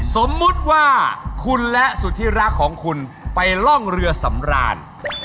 สมมุติว่าคุณและสุธิรักของคุณไปล่องเรือสำราญ